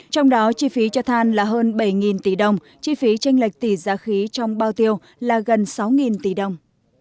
trong đó chi phí cho than là hơn bảy tỷ đồng chi phí tranh lệch tỷ giá khí trong bao tiêu là gần sáu tỷ đồng